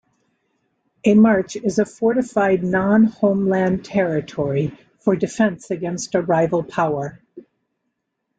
A march is a fortified non-homeland territory for defense against a rival power.